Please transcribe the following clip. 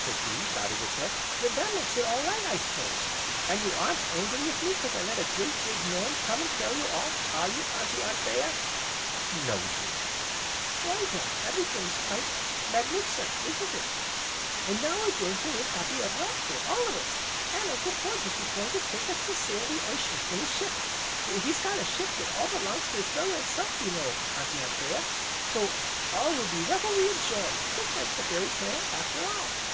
said he, nodding his head, "then that makes it all right I s'pose. An' you aren't angry with me 'cause I let a great, big gnome come an' carry you off, are you, Auntie Anthea?" "No, dear." "Why then, everything's quite magnif'cent, isn't it? An' now we're going to live happy ever after, all of us, an' Uncle Porges is going to take us to sail the oceans in his ship, he's got a ship that all belongs to his very own self, you know, Auntie Anthea, so all will be revelry an' joy just like the fairy tale, after all."